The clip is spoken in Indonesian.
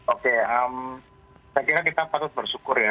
oke saya kira kita patut bersyukur ya